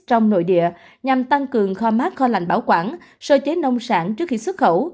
trong nội địa nhằm tăng cường khoác kho lạnh bảo quản sơ chế nông sản trước khi xuất khẩu